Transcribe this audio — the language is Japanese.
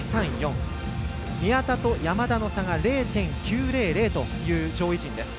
宮田と山田の差が０．９００という上位陣です。